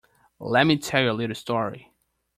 Let me tell you a little story.